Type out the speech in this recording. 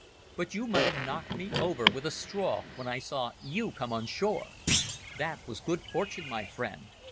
But you might have knocked me over with a straw when I saw you come on shore. That was good fortune, my friend...